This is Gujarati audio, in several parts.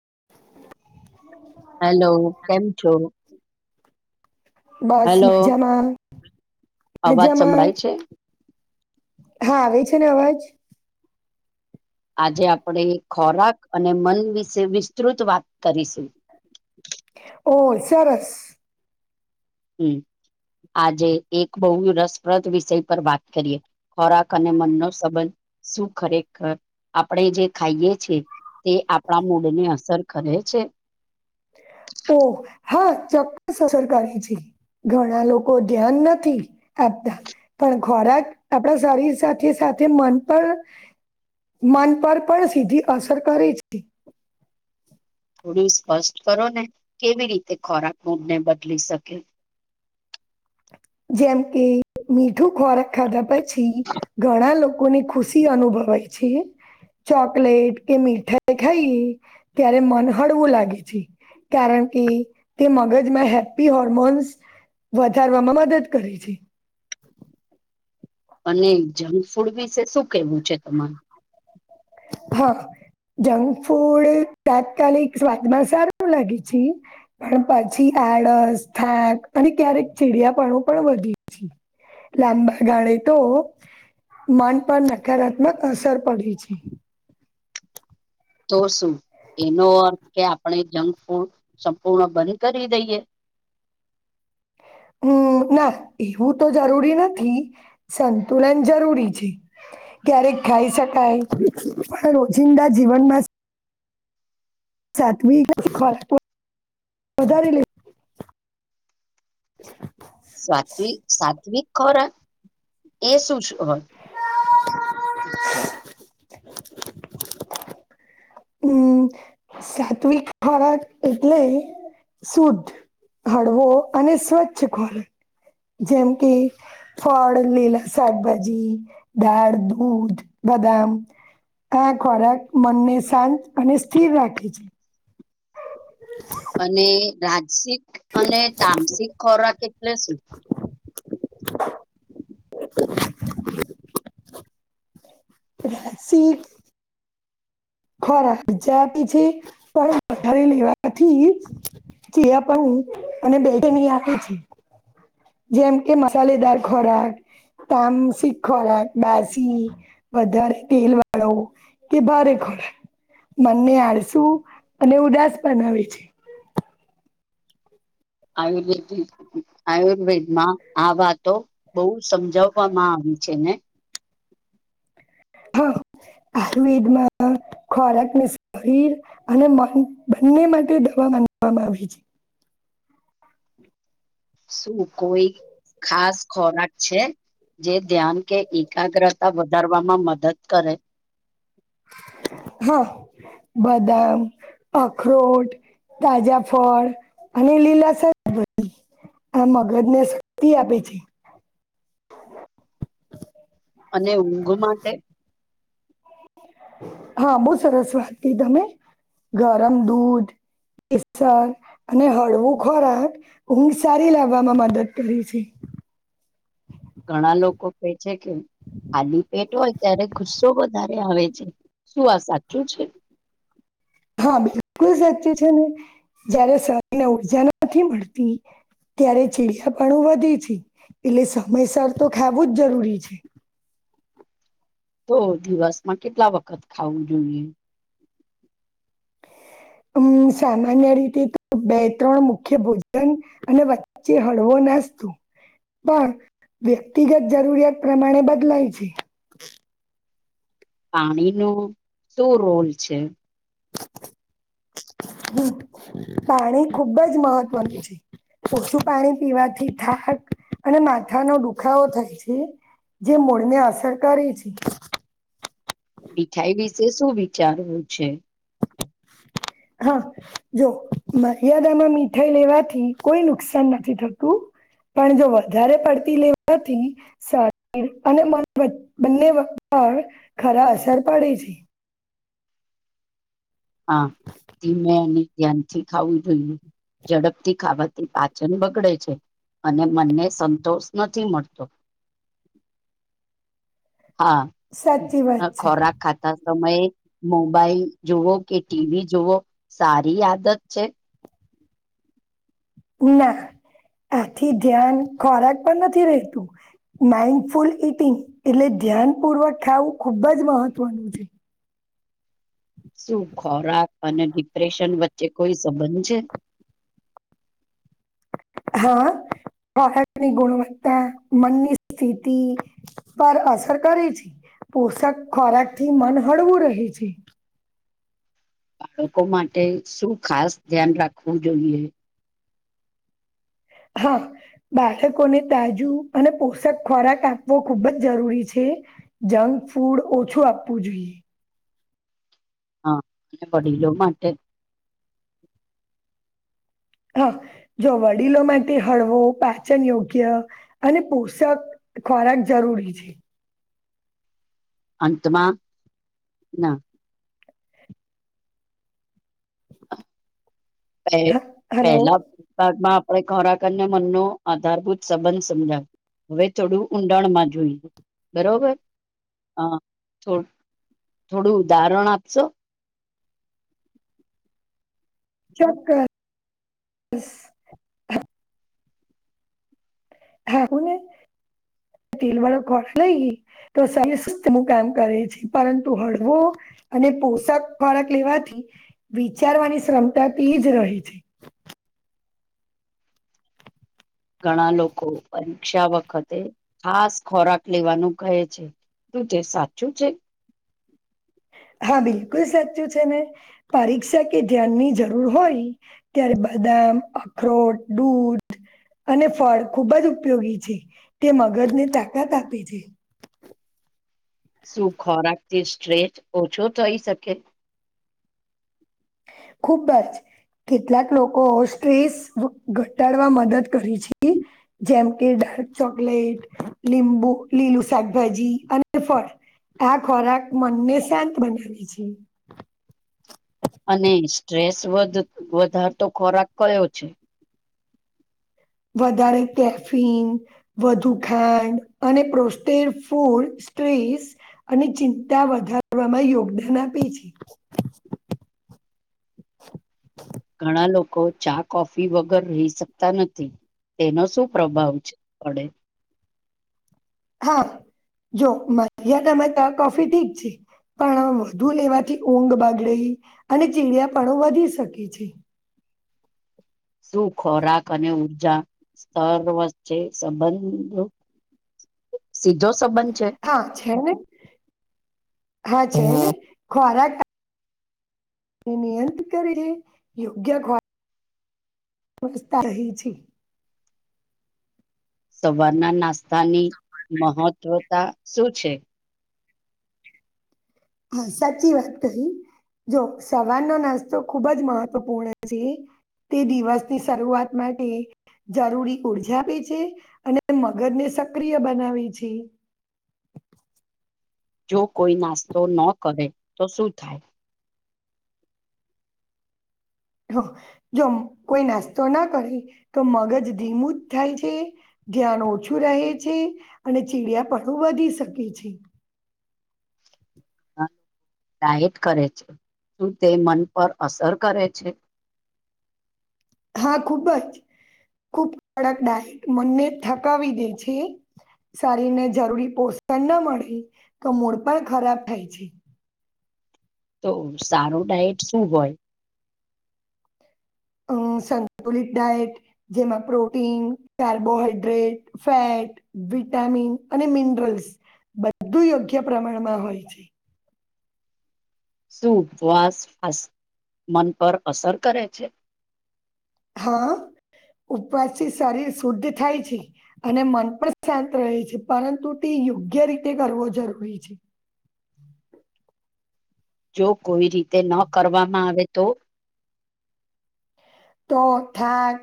[inaudible] હેલો કેમ છો બસ હેલો મજામાં, અવાજ મજામાં. સંભળાય છે હા આવે છે ને અવાજ. આજે આપડે ખોરાક અને મન વિશે વિસ્તૃત વાત કરીશું. ઓ, સરસ. હમ. આજે એક બહુ રસપ્રદ વિષય પર વાત કરીએ ખોરાક અને મનનો સંબંધ. શું ખરેખર આપણે જે ખાઈએ છે. તે આપડા મૂડને અસર કરે છે. ઓ હા ચોક્કસ અસર કરે છે. ઘણા લોકો ધ્યાન નથી આપતા પણ ખોરાક આપણા શરીર સાથે સા સાથે મન પર, મન પર પણ સીધી અસર કરે છે. થોડું સ્પષ્ટ કરો ને, કેવી રીતે ખોરાક મૂડને બદલી શકે? [inaudible] જેમ કે મીઠું ખોરાક ખાધા પછી ઘણા લો લોકોને ખુશી અનુભવાય છે. ચોકલેટ કે મીઠાઈ ખાઈએ ત્યારે મન હળવું લાગે છે. કારણ કે તે મગજમાં હેપી હોર્મોન્સ વધારવામાં મદદ કરે છે. અને જંક ફૂડ વિશે શું કેવું છે તમારું? હા. જંક ફૂડ તાત્કાલિક સ્વાદમાં સારું લાગે છે, પણ પછી આળસ, થાક અને ક્યારેક ચીડિયાપણું પણ વધે છે. લાંબા ગાળે તો મન પર નકારાત્મક અસર પડે છે. તો શું? એનો અર્થ કે આપણે જંક ફૂડ સંપૂર્ણ બંધ કરી દઈએ. [inaudible] હમ ના એવું તો જરૂરી નથી, સંતુલન જરૂરી છે. ક્યારેક ખાઈ શકાય પણ રોજિંદા જીવનમાં સાતમી [unintelligible] વધારે લે સાત્વિક, સાત્વિક. ખોરાક એ શું છ હોય? હમ, સાત્વિક [unintelligible] એટલે શુદ્ધ, હળવો અને સ્વચ્છ ખોરાક. જેમ કે ફળ, લીલા શાકભાજી, દાળ, દૂધ. બદામ આ ખોરાક મનને શાંત અને સ્થિર રાખે છે. [inaudible] અને રાજસિક અને તમસિક ખોરાક એટલે સુ [inaudible] રસીી ખરા મજા આપી છે પણ લથારી લેવાથી જે પણ બે આપે છે જેમ કે મસાલેદાર ખોરાક તમ શીખવા બેસી વધારે તેલ વાળો કે ભારે ખ મનને આળસું અને ઉદાસ બનાવે છે આયુર્વેદ આયુર્વેદ માં આ વાતો બહુ સમજાવવામાં આવે છેને હા આયુર્વેદ માં ખોરાકને શરીર અને મન બંને માટે દવા માનવામાં આવે છે [inaudible] શું કોઈ ખાસ ખોરાક છે જે ધ્યાન કે એકાગ્રતા વધારવામાં મદદ કરે હા બદામ અખરોટ તાજા ફળ અને લીલા સી આ મગજ ને શક્તિ આપે છે અને ઊંઘ માટે હા બહુ સરસ વાસ્તી તમે ગરમ દૂધ કેસર અને હળવું ખોરાક ઊંઘ સારી લાવવામાં મદદ કરી છે ઘણા લોકો કે છે કે ખાલી પેટ હોય ત્યારે ગુસ્ તો વધારે આવે છે શું આ સાચું છે હા બિલકુલ સાચ્ય છે ને જયારે શરીર ને ઉર્જા નથી મળતી ત્યારે ચીડિયાપણું વધે છે એટલે સમયસર તો ખાવું જ જરૂરી છે તો દિવસમાં કેટલા વખત ખાવું જોઈએ હમ સામાન્ય રીતે બે ત્રણ મુખ્ય ભોજન અને વચ્ચે હળવો નાસ્તો પણ વ્યક્તિગત જરૂરિયાત પ્રમાણે બદલાય છે પાણી ન શું રોલ છે હમ પાણી ખુબ જ મહત્વનું છે ઓછું પાણી પીવાથી થાક અને માથાનો દુખાવો થાય છે જે મૂળને અસર કરે છે મીઠાઈ વિશે શું વિચારવું છે [inaudible] હા જો મર્યાદામાં મીઠાઈ લેવાથી કોઈ નુકસાન નથી થતું પણ જો વધારે પડતી લેવાથીારી અને બંને પણ ખરા અસર પડે છે હા તે મે એને ધ્યાનથી ખાવું જોઈએ ઝડપથી ખાાવતી પાચન બગડે છે અને મનને સંતોષ નથી મળતો સાચી વાત હા છે. ખોરાક ખાતા સમય મોબાઈલ જુવો કે ટીવી જુવો સારી આદત છે ના. આથી ધ્યાન ખોરાક પણ નથી રહેતું માઈન્ડફુલ ઇટિંગ એટલે ધ્યાનપૂર્વક ખાવું ખુબ જ મહત્વનું છે. શું ખોરાક અને ડિપ્રેશન વચ્ચે કોઈ સંબંધ છે? હા. ખોહાખની ગુણવત્તા મનની સ્થિતિ, પર અસર કરે છે. પોષક ખોરાકથી મન હળવું રહે છે. બાળકો માટે શું ખાસ ધ્યાન રાખવું જોઈએ? હા. બાળકોને તાજુ અને પોષક ખોરાક આપવો ખૂબ જ જરૂરી છે જંગ ફૂડ ઓછું આપવું જોઈએ. હા અને બડીલો માટે? હા, જો વડીલો માટે હળવો પાચન યોગ્ય અને પોષક ખોરાક જરૂરી છે. અંતમાં, ના. [inaudible] પહે- હ હલો પહેલાં ભાગમાં ખોરાક અને મનનો આધારભૂત સંબંધ સમજાયો. હવે થોડું ઊંડાણમાં જોઈએ બરોબર. હા થોડું. થોડું ઉદાહરણ આપશો? ચોક્--સ્સ હા કોને? [inaudible] તેલવાળો ખોરાક લઈ હી તો [unintelligible] કામ કરે છે પરંતુ હળવો અને પોષક ખોરાક લેવાથી વિચારવાની ક્ષર્મતા તેજ રહે છે. [inaudible] ઘણા લોકો પરીક્ષા વખતે ખાસ ખોરાક લેવાનું કહે છે. શું તે સાચું છે? [inaudible] હા બિલકુલ સાચું છે ને, પરીક્ષા કે ધ્યાનની જરૂર હોય ત્યારે બધા અખરોટ, દૂધ અને ફળ ખૂબજ ઉપયોગી છે તે મગજને તાકાત આપે છે. શું ખોરાકથી સ્ટ્રેચ ઓછો થઈ શકે? ખુબ્બજ. કેટલાંક લોકો સ્ટ્રેસ ઘટાડવા મદદ કરી છે જેમ કે ચોકલેટ, લીંબુ, લીલું શાકભાજી અને ફળ. આ ખોરાક મનને શાંત બનાવે છે. અને સ્ટ્રેસ વધ વધારતો ખોરાક કયો છે? વધારે કેફિન, વધુ ખાંડ અને પ્રોસ્ટેડ ફૂડ સ્ટ્રેસ અને ચિંતા વધારવામાં યોગદાન આપે છે. [inaudible] કો ચા-કોફી વગર રહી શકતાં નથી તેનો શું પ્રભાવ છે, પડે? હા જો મધ્યતામે ચા, કોફી ઠીક છે પણ વધુ લેવાથી ઊંઘ બગડે અને ચીડિયાપણું વધી શકે છે. શું ખોરાક અને ઉર્જા સ્તર્વચ્ચે સંબંધ સીધો સંબંધ છે? હા છે ને [unintelligible] ખોરાક તે નિયંત કરે [unintelligible] યોગ્ય ખોરા વસ્તા રહી છે. સવારના નાસ્તાની મહત્વતા શું છે? હા સાચી વાત કહી. જો સવારનો નાસ્તો ખુબ જ મહત્વપૂર્ણ છે. તે દિવસની શરૂઆત માટે જરૂરી ઊર્જા આપે છે, અને મગજને સક્રિય બનાવે છે. જો કોઈ નાસ્તો ન કરે, તો શું થાય? જો કોઈ નાસ્તો ના કરે, તો મગજ ધીમું જ થાય છે. ધ્યાન ઓછું રહે છે, અને ચીડિયાપણ વધી શકે છે. હા. ડાયટ કરે છે, શું તે મન પર અસર કરે છે. [inaudible] હા ખુબજ. ખુબ કડક ડાયટ મનને થકાવી દે છે. શરીર ને જરૂરી પોષણ ના મળે, તો મૂળ પણ ખરાબ થાય છે. તો સારો ડાયટ શું હોય? અ સંતુલિત ડાયટ જેમાં પ્રોટીન, કાર્બોહાઈડ્રેટ, ફેટ વિટામિન અને મિનરલ્સ બધું યોગ્ય પ્રમાણમાં હોય છે. શું વાસ ફાસ મન પર અસર કરે છે? હા. ઉપવાસ થી શરીર શુદ્ધ થાય છે, અને મન પણ શાંત રહે છે પરંતુ ટ યોગ્ય રીતે કરવો જરૂરી છે. જો કોઈ રીતે ન કરવામાં આવે તો? તો થાક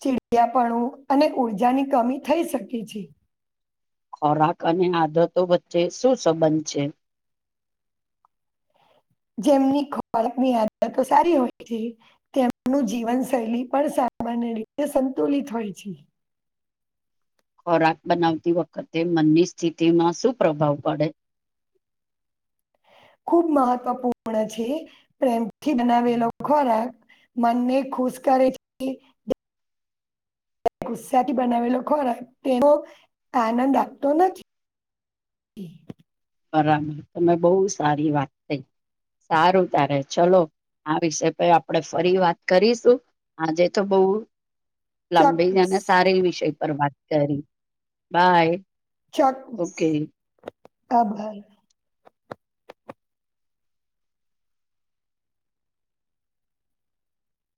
ચીડિયાપણું અને ઉર્જાની કમી થઈ શકે છે. ખોરાક અને આદતો વચ્ચે શું સંબંધ છે? [inaudible] જેમની ખોરાકની આદતો સારી હોય છે, તેમનું જીવન શૈલી પણ સારી મને એ સંતુલિત હોય છે. ખોરાક બનાવતી વખતે મનની સ્થિતિમાં શું પ્રભાવ પડે? [inaudible] ખૂબ મહત્વપૂર્ણ છે પ્રેમથી બનાવેલો ખોરાક મનને ખુશ કરે છે ગુસ્સાથી બનાવેલો ખોરાક તેનો આનંદ આપતો નથી. [unintelligible] બરાબર તમે બહુ સારી વાત થઈ સારું તારે ચલો. આ વિષય આપણેે ફરી વાત કરીશું આજે તો બઉુ લાંબી ચોક્કસ જને સારી વિષય પર વાત કરી, બાય. ચોક્કસ ઓકે અભાર.